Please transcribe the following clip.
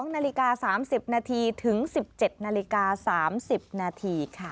๒นาฬิกา๓๐นาทีถึง๑๗นาฬิกา๓๐นาทีค่ะ